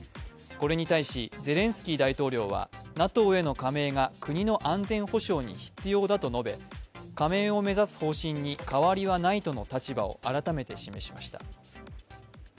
これに対し、ゼレンスキー大統領はＮＡＴＯへの加盟が国の安全保障に必要だと述べ加盟を目指す方針に変わりはないとの立場を改めて示しました。